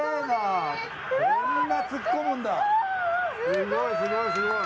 すごーい。